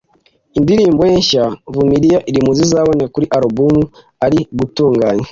indirimbo ye nshya 'vumilia' iri mu zizaboneka kuri album ari gutunganya